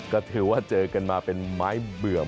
ก็ถือว่าเจอกันมาเป็นไม้เบื่อม